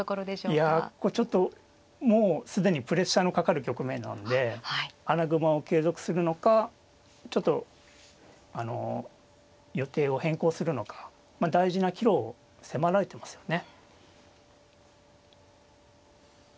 いやちょっともう既にプレッシャーのかかる局面なので穴熊を継続するのかちょっと予定を変更するのか大事な岐路を迫られてますよね。